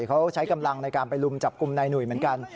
เขาใช้กำลังในการไปลุมจับกลุ่มนายหนุ่ยเหมือนกัน